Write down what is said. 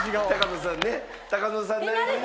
野さんなりにね。